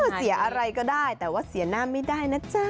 เสียอะไรก็ได้แต่ว่าเสียหน้าไม่ได้นะจ๊ะ